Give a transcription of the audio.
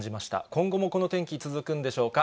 今後もこの天気、続くんでしょうか。